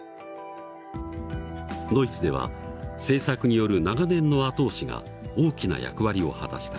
ドイツでは政策による長年の後押しが大きな役割を果たした。